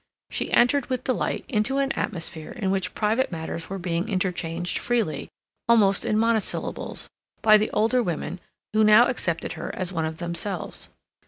She entered with delight into an atmosphere in which private matters were being interchanged freely, almost in monosyllables, by the older women who now accepted her as one of themselves.